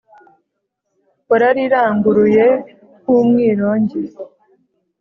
warariranguruye nk’umwirongi